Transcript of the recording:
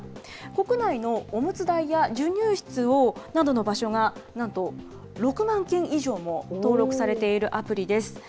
国内のおむつ台や授乳室などの場所がなんと６万件以上も登録されているアプリです。